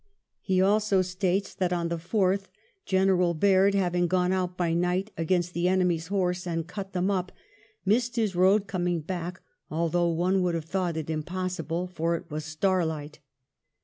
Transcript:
He also states that, on the 4th, General Baird, having gone out by night against the enemy's horse and cut them up, "missed his road coming back, although one would have thought it impossible," for it was starlight.